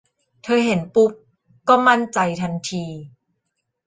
เธอเห็นปุ๊บก็มั่นใจทันที